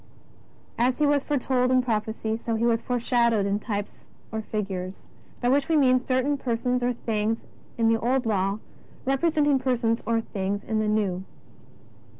As He was foretold in prophecy, so He was foreshadowed in types or fig ures, by which we mean certain persons or things in the Old Law representing persons or things in the jSTew.